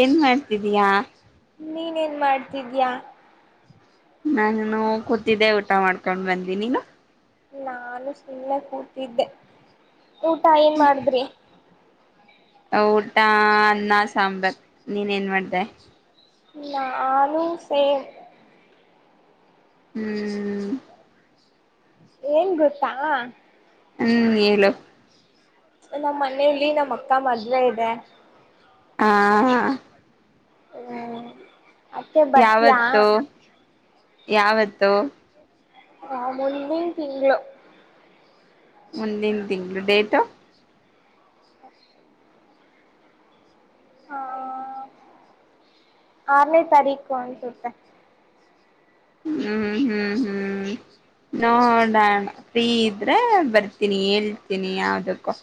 ಏನ್ ಮಾಡ್ತಿದೀಯ ನೀನೇನು ಮಾಡ್ತಿದೀಯಾ ನಾನ ಈನು ಕೂತಿದ್ದೆ ಊಟ ಮಾಡ್ಕೊಂಡ್ ಬಂದ ನೀನು ನಾನು ಸುಮ್ಮನೆ ಕೂತಿದ್ದೆ ಊಟ ಏನ್ ಮಾಡದ್ರಿ ಊಟ ಅನ್ನ ಸಾಂಬಾರ್ ನೀನ್ ಏನ್ ಮಾಡ್ದೆ ನಾನು ಸೇಮ ಹ್ಮ್ ಏನ್ ಗೊತ್ತಾ ಹ್ಮ್ ಹೇಳು ನಮ್ಮ್ ಮನೆಯಲ್ಲಿ ನಮ್ಮ್ ಅಕ್ಕ ಮದ್ವೆ ಇದೆ ಹಾ ಹ ಯಾವತ್ತುು ಯಾವತ್ತುೂ ಆ ಮುಂದಿನ್ ತಿಂಗ್ಳು ಮುಂದಿನ್ ತಿಂಗ್ಳು ಡೇಟು ಹ ಆರನೇ ತಾರೀಕು ಅನ್ಸತ್ತೆ ಹ್ಮ್ ಹ್ಮ್ ಹ್ಮ್ ನೋಡಣ [inaudible] ಫ್ರೀ ಇದ್ರೆ ಬರ್ತೀನಿ ಹೇಳ್ತೀನಿ ಯಾವದಕ್ಕೋ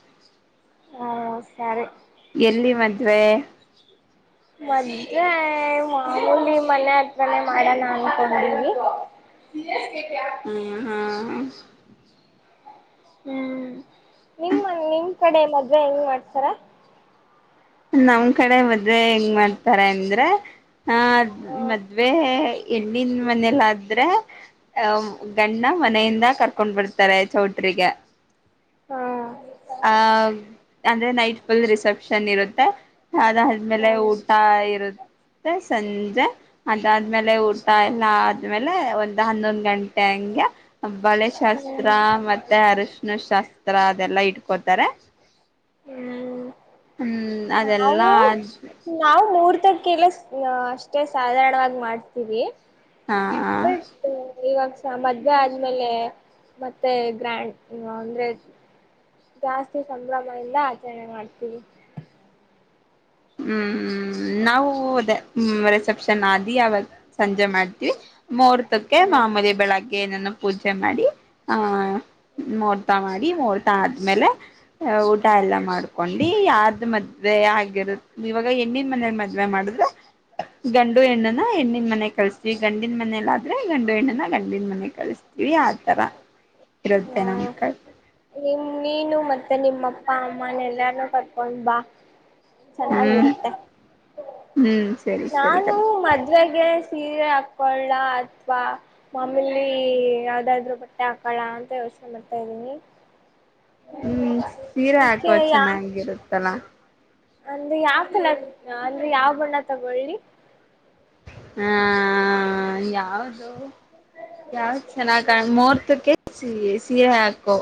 ಹಾ ಸರಿ ಎಲ್ಲಿ ಮದ್ವೆ ಮದ್ವೆ ಮಾಮೂಲಿ ಮನೆ ಹತ್ರನೇ ಮಾಡೋಣ ಅನ್ಕೋಡಿವಿ ಹ ಹಾ ಹ್ಮ್ ನಿನ್ ಮ ನಿನ್ ಕಡೆ ಮದ್ವೆೆ ಹೆಂಗ್ ಮಾಡತರೆ ನಮ್ ಕಡೆ ಮದ್ೆ ಹೆಂಗ್ ಮಾಡ್ತಾರೆ ಅಂದ್ರೆ ಹಾ ಮದ್ವೆ ಹೆಣ್ಣಿನ ಮನೇಲ್ಲಾದ್ರೆ ಅಹ ಗಂಡ ಮನೆಯಿಂದ ಕರ್ಕೊಂಡ್ ಬರತಾರೆ ಚೌಟ್ರಿಗೆ ಹಾ ಆ ಅಂದ್ರೆ ನೈಟ್ ಫುಲ್ ರಿಸೆಪ್ಷನ್ ಇರುತ್ತೆ ತ್ತ ಅದಾದಾದ್ಮೇಲೆ ಹ್ಮ್ ಊಟ ಇರುತ್ತೆ ಸಂಜೆ ಅದಾದ್ಮೇಲೆ ಊಟ ಎಲ್ಲ ಆದ್ಮೇಲೆ ಒಂದ್ ಹನ್ನೊಂದ್ ಗಂಟೆ ಹಂಗೆ ಹಾ ಬಳೆ ಶಾಸ್ತ್ರ ಮತ್ತೆ ಅರಶ್ಣ ಶಾಸ್ತ್ರ ಆ ತರ ಅದೆಲ್ಲಾ ಇಟ್ಕೋತಾರೆ ಹ್ಮ್ ಹ್ಮ್ ನಾವು ಅದೆಲ್ಲಾ ನಾವು ಮೂರ್ತಿ ಕ್ಕೆಲ್ಲ [unintelligible] ಅಷ್ಟೇ ಸಾಧಾರಣವಾಗಿ ಮಾಡ್ತೀವಿ ಹಾ ಹಾ ಬಟ್ ಇವಾಗ ಸ ಮದುವೆ ಆದ್ಮೇಲೆ ಮತ್ತೆ ಗ್ರ್ಯಾಂಡ್ ಇ ಅಂದ್ರೆ ಜಾಸ್ತಿ ಸಂಭ್ರಮದಿಂದ ಆಚರಣೆ ಮಾಡ್ತೀವಿ ಹ್ಮ್ ಹ್ಮ್ ನಾವು ರೆಿಸೆಪ್ಷನ್ ಆದಿ ಅವಾಗ ಸಂಜೆ ಪೂಜೆ ಮಾಡ್ತೀವಿ ಮುಹೂರ್ತಕ್ಕೆ ಹ್ಮ್ ಮಾಮೂಲಿ ಬೆಳಗ್ಗೆ ಏನ ಪೂಜೆ ಮಾಡಿ ಆಹ್ ಮೂೋರ್ತ ಮಾಡಿ ಮೂೋರ್ತ ಆದ್ಮೇಲೆ ಊಟ ಎಲ್ಲ ಮಾಡ್ಕೊಂಡು ಯಾರ ದು [unintelligible] ಮದುವೆ ಆಗಿರುತ್ತೆ ಇವಾಗ ಹೆಣ್ಣಿನ ಮನಲಿ ಮದ್ವೆ ಮಾಡಿದ್ರೆ ಗಂಡು ಹೆಣ್ಣಿನ ಹೆಣ್ಣನ್ ಮನೆ ಕಲ್ಸ್ತೀವಿ ಗಂಡಿನ ಮನೇಲಾದ್ರೆ ಗಂಡು ಹೆಣ್ಣನ ಗಂಡಿನ ಮನೆ ಕಲ್ಸ್ತೀವಿ ಆತರ ಇರುತ್ತೆ ಹ್ಮ ನಮ್ಕ ನಿಮ್ ನೀನು ಮತ್ತೆ ನಿಮ್ಮಪ್ಪ ಅಮ್ಮನ ಎಲ್ಲಾರ್ನುೂ ಕರ್ಕೊಂಡ್ ಬಾ ಹ್ಮ್ ಚೆನ್ನಾಗಿರುತ್ತೆ ಹ್ಮ್ ಸರಿ ಸರಿ ನಾನು ಕರಿ ಮದ್ವೆೆಗೆ ಸೀರೆ ಹಾಕಳ ಅಥವಾ ಮಾಮೀಲಿ ಯಾವ್ದಾದ್ರು ಬಟ್ಟೆ ಹಾಕಳ ಅಂತ ಯೋಚನೆ ಮಾಡ್ತಾ ಇದ್ದೀನಿ ಹ್ಮ್ ಸೀರೆ ಹಾಕೋ ಚೆನ್ನಾಗಿರುತ್ತಲಾ ಅಲ್ಲಿ ಯಾವ ಕಲರ ಅಂದ್ರೆ ಯಾವ ಬಣ್ಣ ತಗೊಳ್ಳಿ ಹ ಯಾವದು ಯಾವ್ದ ಚೆನ್ನಾಗ ಮುಹೂರ್ತಕ್ಕೆ ಸಿಹಿ ಸಿಹಿ ಹಾಕೋ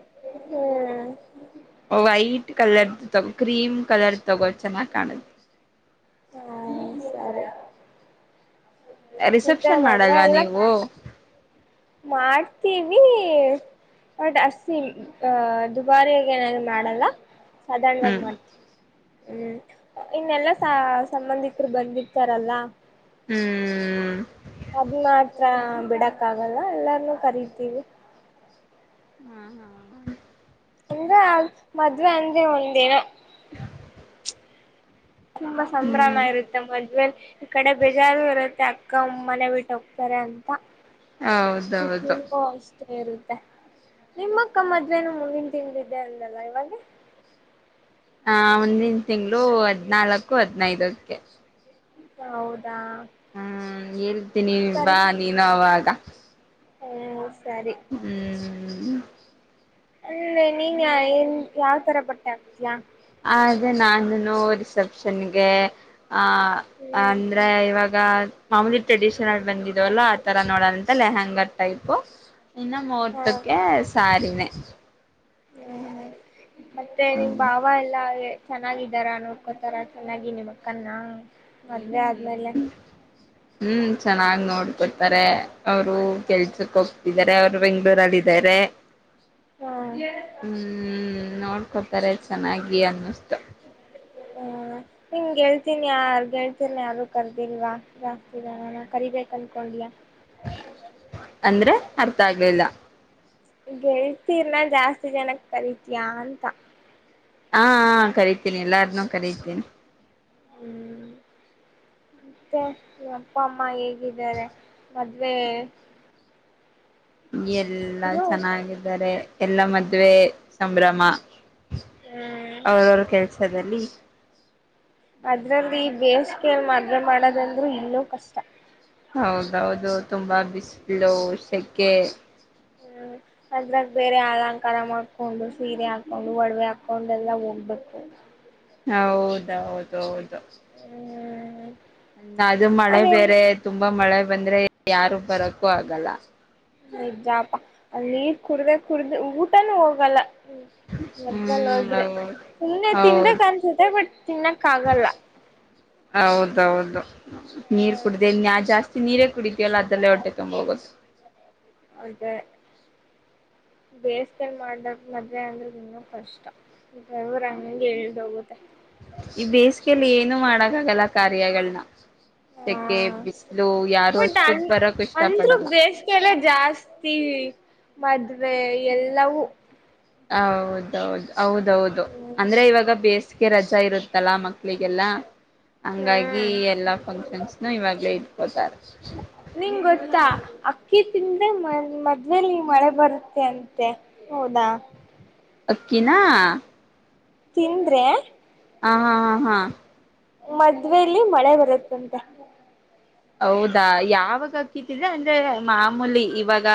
ಹ್ಮ್ ವೈಟ್ ಕಲರ್ ತಗೋ ಕ್ರೀಮ್ ಕಲರ್ ತಗೋ ಚೆನ್ನಾಗಿ್ ಕಾಣುತ್ತೆ ಹಾ ಸರಿ ಮತ್ತೆ ರಿಸೆಪ್ಷನ್ ಮದ್ವೆ ಮಾಡಲ್ವಾ ಎಲ್ಲ ನೀವು ಮಾಡ್ತೀವಿ ಬಟ್ ಅಸಿ ಅಹ ದುಬಾರಿಾಗ ಏನ ಮಾಡಲ್ಲ ಸಾಧಾರಣವಾಗಿ ಹ್ಮ್ ಮತ್ ಹ್ಮ್ ಇನ್ನೆಲ್ಲಾ ಸಂಬಂಧಿಕರು ಬಂದಿರ್ತಾರಲ್ಲ ಹ್ಮ್ ಅದು ಮಾತ್ರ ಬೆಡಕ ಅವಲ್ಲಾ ಎಲ್ಲಾರನ್ನು ಕರಿತೀವಿ ಹ್ಮ ಹ ಅಂದ್ರ ಆ ಮದ್ವೆ ಅಂದ್ರೆ ಒಂದೇಿನ ತುಂಬಾ ಸಂಭ್ರಮ ಹ್ಮ್ ಇರುತ್ತೆ ಮದ್ವೆ ಈ ಕಡೆ ಬೇಜಾರು ಇರುತ್ತೆ ಅಕ್ಕ ಅಮ್ಮನೆ ಬಿಟ್ಟ ಹೋಗ್ತಾರೆ ಅಂತ ಹೌದೌದು. ಖುಷಿನೂ ಅಷ್ಟೇ ಇರುತ್ತೆ ನಿಮ್ಮಕ್ಕನ ಮದ್ವೆನು ಮುಂದಿನ ತಿಂಗಳು ಇದೆ ಅಂದಲ್ಲ ಯಾವಾಗೆ. ಹ ಮುಂದಿನ ತಿಂಗಳು ಹದ್ನಾಲ್ಕು ಹದ್ನೈದಕ್ಕೆ. ಆ ಹೌದ್ ಹ್ಮ ಹೇಳ್ತೀನಿ ಕರಿ ಬಾ ನೀನು ಅವಾಗ ಹ್ಮ್. ಸರಿ ಹ್ಮ್ ಅ ನೀನ್ ಎನ್ ಯಾವ್ ತರ ಬಟ್ಟೆ ಆಗ್ತಿಯಾ. ಅದೇ ನಾನುನು ರಿಸೆಪ್ಷನ್ಗೆ. ಹ ಹ್ಮ್ ಅಂದ್ರೆ ಇವಾಗ ಮಾಮೂಲಿ ಟ್ರೆಡಿಷನ್ ಬಂದಿದವಲ್ಲ ಆ ತರ ನೋಡೋ ಅಂತ ಲೆಹಂಗ ಲಂಗ ಟೈಪು ಇನ್ನು ಮೂವರ್ತಕ್ಕೆ ಸ್ಯಾರಿ ಮನ್ನೆ ಹ್ಮ. ಮತ್ತೆ ನಿಮ್ ಹ್ಮ್ ಭಾವ ಎಲ್ಲ ಚೆನ್ನಾಗಿದ್ದಾರ ನೋಡ್ಕೋತಾರ ಚೆನ್ನಾಗಿ ನಿಮ್ಮ ಅಕ್ಕನ್ನ. ಮದುವೆ ಆದ್ಮೇಲೆ. ಹ್ಮ್ ಹ್ಮ್ ಚೆನ್ನಾಗ್ ನೋಡ್ಕೊತಾರೆ ಅವರು ಕೆಲ್ಸಕ್ ಹ್ಮ ಹೋಗ್ತಿ ರೆ ಅವ್ರು ಬೆಂಗ್ಗಳೂರಲ್ಲಿ ಇದಾರೆ ಹ್ಮ್ ನೋಡ್ಕೊ ತಲೆಯಲ್ಲಿ ಚೆನ್ನಾಗ್ ಅನ್ಸ್ತು. ಆ ನಿನ್ ಗೆಳತಿನ ಯಾರನ್ನು ಕರೆದಿಲ್ವಾ ಕರಿಬೇಕು ಅನ್ಕೊಂಡ್ಯಾ. ಅಂದ್ರೆ ಅರ್ಥ ಆಗ್ಲಿಲ್ಲ ಗೆಲ್ತೀರ್ನ ಜಾಸ್ತಿ ಜನಕ್ ಕರಿತಯಾ ಅಂತ ಹಾ ಹಾ ಕರೀತೀನಿ ಎಲ್ಲಾರ್ನು ಕರೀತೀನಿ. ಹುಂ ಮತ್ತೆ ಅಪ್ಪ ಅಮ್ಮ ಹೇಗಿದ್ದಾರೆ ಮದ್ವೆ. ಎಲ್ಲಾ ಇನ್ನು ಚೆನ್ನಾಗಿದ್ದಾರೆ. ಎಲ್ಲಾ ಮದುವೆ ಸಂಭ್ರಮ. ಹ್ಮ್ ಅವ್ರ ಅವ್ರ ಕೆಲ್ಸ. ತ್ತದಲ್ಲಿ. ಅದ್ರಲ್ಲಿ ಬೇಸಿಗೆ ಮದುವೆ ಮಾಡೋದಲ್ಲ. ಇಲ್ಲೋ ಕಷ್ಟ. ಹೌದ ಹೌದು ತುಂಬಾ ಬಿಸಿ. ಲೋ ಶೆಕೆ. ಹ್ಮ್ ಅದ್ರಾಗ ಬೇರೆ ಅಲಂಕಾರ ಮಾಡಾಕೊಂಡು ಸೀರೆ ಹಾಕೊಂಡು ಒಡವೆ ಹಾಕೊಂಡು ಎಲ್ಲಾ ಹೋಗ್ಬೇಕು. ಹೌದೌದ ಹೌದು. ಹ್ಮ್ [unintelligible] ಮಳೆ ಅದೇನ್ ಬೇರೆ ತುಂಬಾ ಮಳೆ. ಬಂದ್ರೆ ಯಾರು ಬರಕ್ಕೂ ಆಗಲ್ಲ. ನಿಜಾಪಾ ಅಲ್ಲಿ ಕುಡ್ದೆ ಕುಡ್ದ ಊಟನೂ ಹೋಗಲ್ಲ. ಹ್ಮ ಮದ್ವೆಲ್ ಹ್ಮ್ ಹೋದ್ರೆ ಹೌದು ಸುಮ್ಮನೆ ತಿನ್ಬೇಕ್ ಹೌದು ಅನ್ಸುತ್ತೆ ಬಟ್ ತಿನ್ನಕ್ ಆಗಲ್ಲ ಹೌದು ನೀರ್ ಹ್ಮ್ ಕುಡ್ದೆ ನಾ ಜಾಸ್ತಿ ನೀರೇ ಕುಡಿತೀವಲ್ಲ ಅದರಲ್ಲೇ ಹೊಟ್ಟೆ ತುಂಬ ಹೋಗುತ್ತ. ಹೌದ. ದೇವಸ್ಥಾನ ಮಾಡ್ದಾಗ ಮದ್ವೆ ಅಂದ್ರೆ ಇನ್ನ ಕಷ್ಟ ಬೆವರು ಹಂಗೆ ಇಳ್ದ ಹೋಗುತ್ತ ಈ ಬೇಸಿಗೆಯಲ್ಲಿ ಏನು ಮಾಡಕ್ಕಾಗಲ್ಲ ಕಾರ್ಯಗಳನ್ನ ಹಾ ಸೆಕೆ ಬಿಸಿಲು ಯಾರು ಬಟ್ ಅ ಅಷ್ಟು ಬರಕ್ ಇಷ್ಟ ಅಂದ್ರು ಪಡಲ್ಲ ಬೇಸಿಗೆ ಎಲ್ಲ ಜಾಸ್ತಿ ಮದ್ವೆ ವೆ ಎಲ್ಲವೂ ಹೌದೌದು ಹೌದೌದು ಅಂದ್ರೆ ಇವಾಗ ಬೇಸ್ ರಜಾ ಇರುತ್ತಲ್ಲ ಮ ಮಳಿಗೆಲ್ಲ ಹಂಗಾಗಿ ಹ್ಮ್ ಎಲ್ಲಾ ಫಂಕ್ಷನ್ಸ್ನು ಇವಾಗ್ಲೇ ಇಟ್ಕೋತಾರೆ ನಿಂಗ್ ಗೊತ್ತಾ ಅಕ್ಕಿ ತಿಂದ್ರೆ ಮ ಮದ್ವೆೇಲಿ ಮಳೆ ಬರುತ್ತೆ ಅಂತೆ ಹೌದಾ ಅಕ್ಕಿನಾ ತಿಂದ್ರೆ ಹ ಹಾ ಹಾ ಹಾ ಮದ್ವೆೇಲಿ ಮಳೆ ಬರುತ್ತಂತೆ ಹೌದಾ ಯಾವಾಗಕ್ಕತಿದ್ರ ಅಂದ್ರೆ ಮಾಮೂಲಿ ಇವಾಗ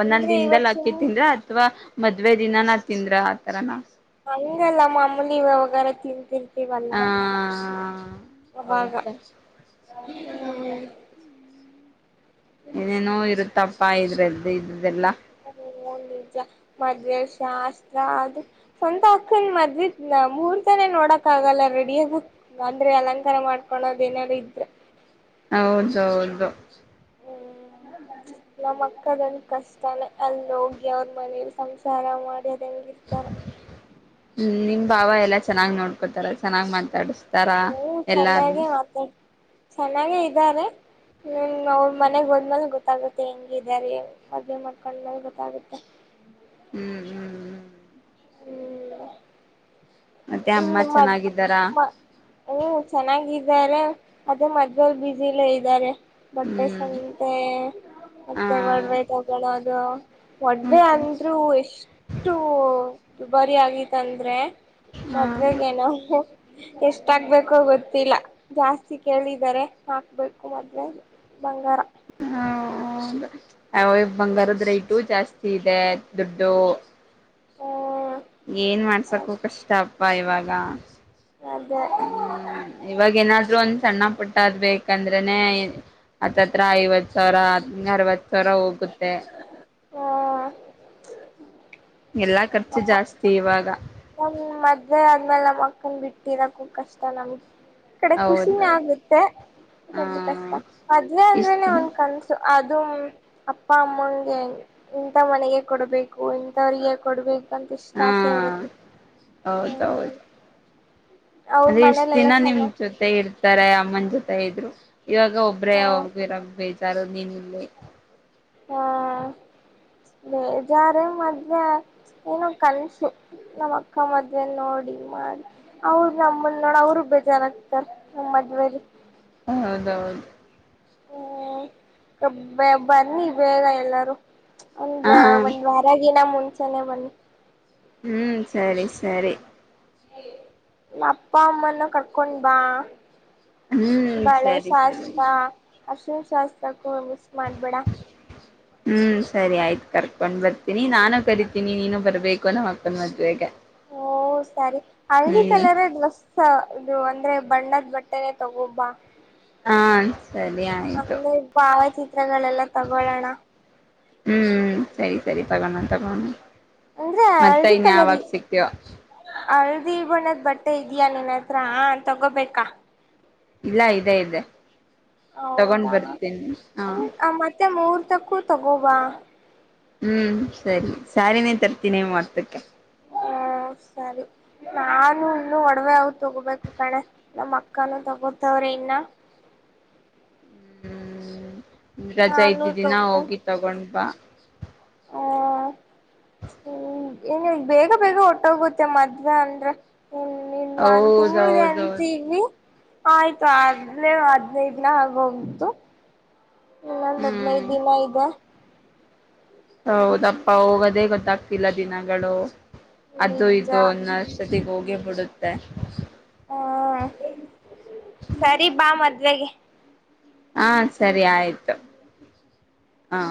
ಒಂದೊಂದ್ ಅಂದ್ರೆ ಇವಾಗ ದಿನ್ದಲ್ಲಿ ಅಕ್ಕಿ ಸುಮ್ ತಿಂದರೆ ಅಥವಾ ಮದ್ವೆ ದಿನ ನಾ ತಿಂದ್ರ ಆತರನ ಹಂಗಲ್ಲ ಮಾಮೂಲಿವಗಾರ ತಿಂತಿನ್ ವಲ್ಲ ಹ ವಾಗ ಹೌದಾ ಹ್ಮ ಏನೇನೋ ಇರುತ್ತಪ್ ಪ ಇದ್ರದ್ದದೆಲ್ಲ ಅ ನಿಜ ಮದ್ವೆ ಶಾಸ್ತ್ರ ಆದ್ರೂ ಸ್ವಂತ ಅಕ್ಕನ್ ಮದ್ವೆ ಮೂರ್ತನೇ ನೋಡಕ್ ಆಗಲ್ಲ ರೆಡಾಗಿ ಅಂದ್ರೆ ಅಲಂಕಾರ ಮಾಡ್ಕೊಳೋದ ಏನಾರ ಇದ್ರೆ ಹೌದು ಹೌದು ಹ್ಮ್ ನಮ್ಮಕ್ಕಗಲ್ ಕಷ್ಟನೇ ಅಲ್ಲಿ ಹೋಗಿ ಅವ್ರ ಮನೇಲಿ ಸಂಸಾರ ಮಾಡಿ ಹೆಂಗಿರ್ತಾರ ಹ್ಮ್ ನಿಮ್ ಭಾವ ಎಲ್ಲ ಚೆನ್ನಾಗ್ ನೋಡ್ಕೋತಾರೆ ಚೆನ್ನಾಗ್ ಮಾತಾಡ್ಸ್ ತರಾ ಎಲ್ಲಾರ್ನ್ ಚೆನ್ನಾಗೇ ಇದ್ದಾರೆ ಇನ್ ಅವ್ರ ಮನೆಗ್ ಹೋದ್ಮೇಲ್ ಗೊತ್ತಾಗುತ್ತೆ ಹೆಂಗಿದಾರೆ ಮದ್ವೆ ಮಾಡ್ಕೊಂಡ್ಮೇಲ್ ಗೊತ್ತಾಗುತ್ತೆ ಹ್ಮ್ ಹ್ಮ್ ಹ್ಮ್ ಹ್ಮ್ ಮತ್ತೆ ಅಮ್ಮ ಇನ್ನು ಮ ಚೆನ್ನಾಗಿದ್ದಾರಾ ಹ್ಮ್ ಊಂ ಚೆನ್ನಾಗಿ ಇದಾರೆ ಅದೇ ಮದ್ವೆಲ್ ಬಿಸೀಲೆ ಇದ್ದಾರೆ ಬಟ್ಟೆ ಹ್ಮ್ ಸಂತೆ ಹ ಮತ್ತೆ ಒಡವೆ ತಗಳೋದು ಹ್ಮ ಒಡ್ವೆ ಅಂದ್ರರೂ ಎಷ್ಟು ಬರಿ ಆಗಿತಂದ್ರೆ ಮದ್ವೆಗೆನೊ ಎಷ್ಟ್ ಹಾಕ್ಬೇಕೋ ಗೊತ್ತಿಲ್ಲ ಜಾಸ್ತಿ ಕೇಳಿದ್ದಾರೆ ಹಾಕ್ಬೇಕು ಮದ್ವೆ ಬಂಗಾರ ಹ ಬಂಗಾರದ ರೇಟು ಜಾಸ್ತಿ ಇದೆ ದುಡ್ಡು ಹ ಏನ್ ಮಾಡ್ಸಕು ಕಷ್ಟ ಪಾಯವಾಗಾ ಅದೇ ಹ್ಮ್ ಇವಾಗೇಏನಾದ್ೂಂದು ಸಣ್ಣ ಪುಟ್ಟ ಅದ್ ಬೇಕಂದ್ರೆನೇ ಹತ್ತತ್ರ ಐವತ್ ಸಾವಿರ ಅರವತ್ ತರ ಹೋಗುತ್ತೆ ಹ್ಮ್ ಎಲ್ಲಾ ಖರ್ಚು ನಮ್ಮ ಜಾಸ್ತಿ ಇವಾಗ ನಮ್ ಮದ್ವೆ ಆದ್ಮೇಲೆ ನಮ್ಮಕ್ಕನ್ ಬಿಟ್ಟಿರಕ್ಕೂ ಕಷ್ಟ ನಮ್ಗೆ ಕಡೆ ಖುಷಿನ ಹೌದೌದು ಆಗುತ್ತೆ ಹ ಒಂದ್ ಕಷ್ಟ ಮದ್ವೆ ಇಷ್ಟ ಅಂದ್ರೇನೆ ದಿನ ಒಂದ್ ಕನ್ಸು ಅದು ಅಪ್ಪ ಅಮ್ಮಗೆ ಇಂಥ ಮನೆಗೆ ಕೊಡಬೇಕು ಇಂಥವ್ರಿಗೇ ಕೊಡ್ಬೇಕ್ ನಮ್ಗೆಷ್ಟ್ ಹಾ ಆಾಸೇ ಇರು ಹೌದೌದು ಅವ್ರ ಅದ್ರ ಇಷ್ಟ ಮನೇಲೆಲ್ಲಾ ದಿನ ನಿಮ್ ಚೆನ್ನಾಗ್ ಜೊತೆ ಇರ್ತಾರೆ ಅಮ್ಮನ ಜೊ [inaudible] ಇವಾಗ ಒಬ್ಬ್ರೇ ಒಬ್ರ್ ಇರಕ್ಕ್ ಬೇಜಾರು. ನೀನಿಲ್ಲೆ ಹಾ ಬೇಜಾರೆ ಮದ್ವೆ ಏನೋ ಕನ್ಸು, ನಮ್ಮ್ ಅಕ್ಕ ಮದ್ವೆ ನೋಡಿ ಮಾಡಿ ಅವರು ನಮ್ಮನ್ನ ನೋಡ ಅವರು ಬೇಜಾರಾಗಗ್ತಾರ ನಮ್ಮ್ ಮದ್ವೆೇಲೀ ಹೌದೌದು ಹ್ಮ್ ಬನ್ನಿ ಬೇಗ ಎಲ್ಲಾರು ಒಂದ ಹಾ ಒಂದ್ ವಾರಗಿನ ಮುಂ ಜನವನಿ ಹ್ಮ್ ಸರಿ ಸರಿ ಅಪ್ಪ ಅಮ್ಮನ ಕರ್ಕೊಂಡ್ ಬಾ ಹ್ಮ್ ಸರಿ ಸರಿ ಅರಿಶಿನ ಶಾಸ್ತ್ರಕ್ಕೂ ಮಿಸ್ ಮಾಡ್ಬೇಡ ಹ್ಮ್ ಸರಿ ಆಯ್ತು ಕರ್ಕೊಂಡ್ ಬರ್ತೀನಿ ನಾನು ಕರಿತೀನಿ ನೀನು ಬರ್ಬೇಕು ನಮ್ಮ ಅಕ್ಕನ ಮದುವೆಗೆ ಓ ಸರಿ ಹಳದಿ ಕಲರೆ ಡ್ರೆಸ್ ಅ. ಇದು ಅಂದ್ರೆ ಬಣ್ದ ಬಟ್ಟೆನೆ ತಗೋಬಾ. ಹಾನ್ ಅಮೆ ಭಾವಚಿತ್ರಗಳೆಲ್ಲ ತಗೊಳೋಣ ಹ್ಮ್ ಸರಿ ಸರಿ ತಗಣ ತಗೋಣ ಅಂದ್ರೆ ಮತ್ತ ಇನ್ಯಾವಾಗ ಸಿಕ್ತಿವೋ ಹಳ್ದಿ ಬಣ್ಣದ್ ಬಟ್ಟೆ ಇದಯಾ ನಿನ್ನ ಹತ್ರ ಹಾ ತಗೋಬೇಕಾ ಇಲ್ಲ ಇದೆ ಇದೆ ತಗೊಂಡ್ ಹೌದಾ ಬರ್ತೀನಿ ಹಾ ಹ್ಮ್ ಮತ್ತೆ ಮೂರ್ ತಕ್ಕೂ ತಗೊವ ಹ್ಮ್ ಸರಿ ಸಾರಿನೇ ತರ್ತೀನಿ ಮುಹೂರ್ತಕ್ಕೆ. ಹ್ಮ ಸರಿ ನಾನು ಇನ್ನು ಒಡವೆ ಅವ ತಗೋಬೇಕು ಕಣೆ ನಮ್ಮ್ ಅಕ್ಕಾನೂ ತಗೋತವ್ರೆ ಇನ್ನ ಹ್ಮ್ ರಜಾ ನಾನು ಇದ್ದ ದಿನ ತಗೋ ಹೋಗಿ ತಗೊಂಡ್ ಬಾ ಹಾ ಹ್ಮ ಏನು ಬೇಗ ಬೇಗ ಒಟ್ಟೋಗುತ್ತೆ ಮದುವೆ ಅಂದ್ರೆ ಇನ್ ಇನ್ ಒಂದ್ ತಿಂಗ್ಳಿದೆ ಹೌದೌದೌದು ಅಂತಿನಿ. ಆಯ್ತು ಆದ್ಲೇ ಹದ್ನೈ ದಿನ ಆಗೊಗಿತ್ತು. ಹ್ಮ್ ಇನ್ನೊಂದುಹದ್ನೈದು ದಿನ ಇದೆ ಹೌದಪ್ಪಾ ಹೋಗೋದೇ ಗೊತ್ತಾಗ್ತಿಲ್ಲ ದಿನಗಳು ಅದು ನಿಜ ಇದು ಅನ್ನಷ್ ತಿಗೋಗೆ ಬುಡುತ್ತೆ ಹ್ಮ ಸರಿ ಬಾ ಮದ್ವೆಗೆ. ಹಾ ಸರಿ ಆಯ್ತು ಹ